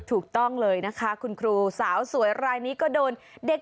ถูกต้องเลยนะคะคุณครูสาวสวยรายนี้ก็โดนเด็ก